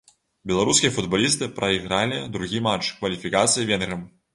Беларускія футбалісты прайгралі другі матч кваліфікацыі венграм.